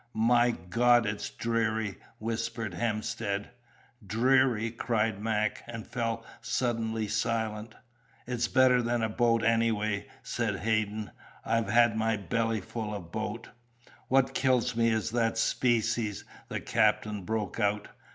"My God, it's dreary!" whispered Hemstead. "Dreary?" cried Mac, and fell suddenly silent. "It's better than a boat, anyway," said Hadden. "I've had my bellyful of boat." "What kills me is that specie!" the captain broke out.